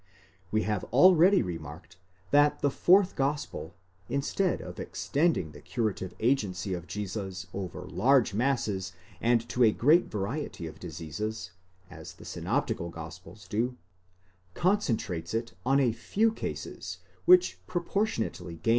We have already remarked that the fourth gospel, instead of extending the curative agency of Jesus over large masses and to a great variety of diseases, as the synoptical gospels do, concentrates it on a few cases which proportionately gain in in 19 Vid.